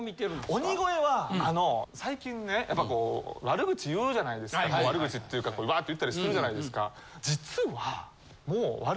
鬼越はあの最近ねやっぱこう悪口言うじゃないですか悪口っていうかこうワァって言ったりするじゃないですか。